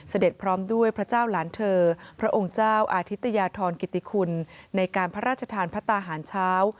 พร้อมด้วยพระเจ้าหลานเธอพระองค์เจ้าอาธิตยาธรกิติคุณในการพระราชทานพระตาหารเช้า